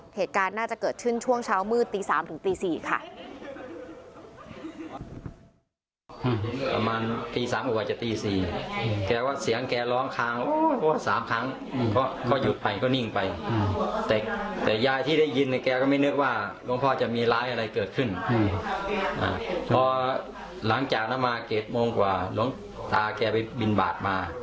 เหตุการณ์น่าจะเกิดขึ้นช่วงเช้ามืดตี๓ถึงตี๔ค่ะ